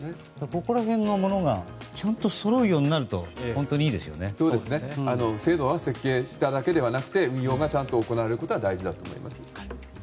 ここら辺のものがちゃんとそろうようになると制度設計するだけじゃなく運用がちゃんと行われることが大事だと思います。